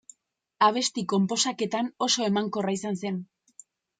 Abesti konposaketan oso emankorra izan zen.